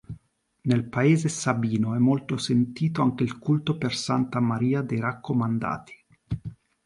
Nel paese sabino è molto sentito anche il culto per santa Maria dei Raccomandati.